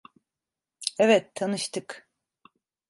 Evet, tanıştık.